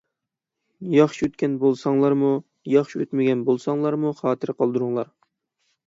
ياخشى ئۆتكەن بولساڭلارمۇ، ياخشى ئۆتمىگەن بولساڭلارمۇ خاتىرە قالدۇرۇڭلار.